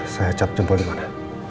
saya cap jempol dimana